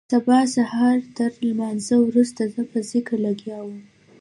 سبا سهارتر لمانځه وروسته زه په ذکر لگيا وم.